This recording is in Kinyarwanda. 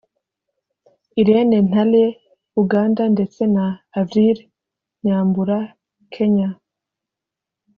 Irene Ntale (Uganda) ndetse na Avril Nyambura (Kenya)